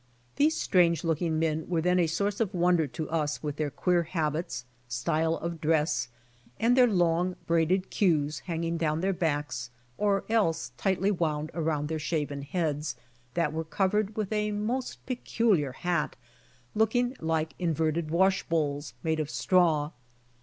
These strange looking men were then a source of wonder to us with their queer habits, style of dress, and their long braided queues hanging down their backs or else tightly wound around their shaven heads, that were covered ^sith a most peculiar hat looking like inverted wash bowls mad^: of straw.